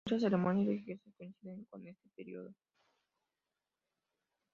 Muchas ceremonias religiosas coincidían con este período.